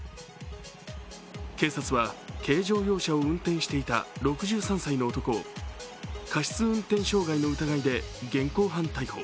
警察は軽乗用車を運転していた６３歳の男を過失運転傷害の疑いで現行犯逮捕。